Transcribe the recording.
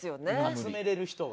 集められる人が。